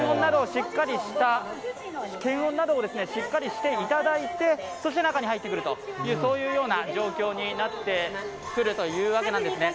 あそこで検温などをしっかりしていただいて、そして中に入ってくるという、そういう状況になってくるというわけなんですね。